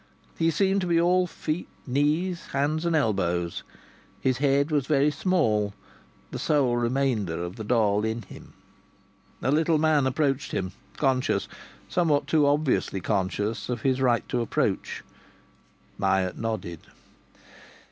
He seemed to be all feet, knees, hands and elbows. His head was very small the sole remainder of the doll in him. A little man approached him, conscious somewhat too obviously conscious of his right to approach. Myatt nodded.